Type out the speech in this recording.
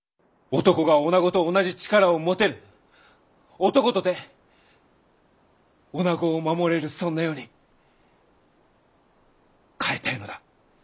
男が女と同じ力を持てる男とて女を守れるそんな世に変えたいのだ！